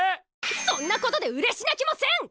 そんなことでうれし泣きもせん！